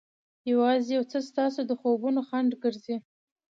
یوازې یو څه ستاسو د خوبونو خنډ ګرځي.